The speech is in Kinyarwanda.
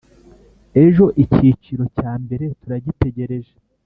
Ejo icyiciro cya mbere turagitegereje